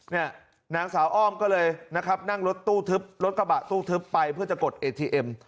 นางสาวอ้อมก็เลยนะครับนั่งรถตู้ทึบรถกระบะตู้ทึบไปเพื่อจะกดเอทีเอ็ม